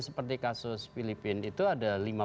seperti kasus filipina itu ada